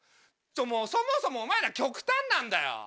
そもそもお前ら極端なんだよ。